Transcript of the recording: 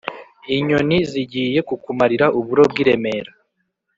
Inyoni zigiye kukumarira uburo bw’I Remera